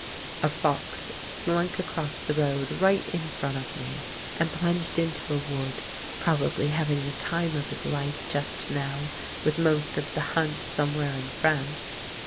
A fox slunk across the road right in front of me, and plunged into a wood; probably having the time of his life just now, with most of the hunt somewhere in France.